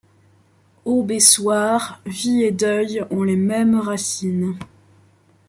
Aube et soir, vie et deuil ont les mêmes racines ;